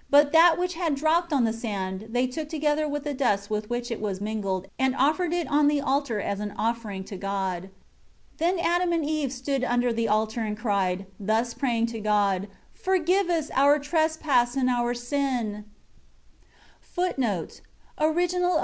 5 But that which had dropped on the sand, they took together with the dust with which it was mingled and offered it on the altar as an offering to God. 6 Then Adam and Eve stood under the Altar and cried, thus praying to God, "Forgive us our trespass* and our sin, and look at us with Thine eye of mercy.